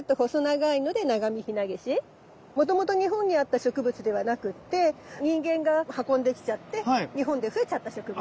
もともと日本にあった植物ではなくって人間が運んできちゃって日本で増えちゃった植物。